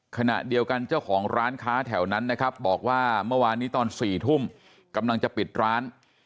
ขณะเดียวกันเจ้าของร้านค้าแถวนั้นนะครับบอกว่าเมื่อวานนี้ตอน๔ทุ่มกำลังจะปิดร้าน